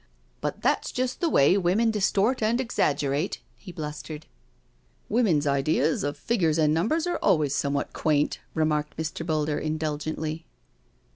But that's just the way women distort and exaggerate/' he blustered. " Women's ideas of figures and numbers are always somewhat quaint/' remarked Mr. Boulder indulgently.